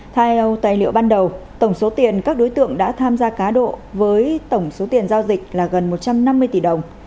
theo tài liệu ban đầu tổng số tiền các đối tượng đã tham gia cá độ với tổng số tiền giao dịch là gần một trăm năm mươi tỷ đồng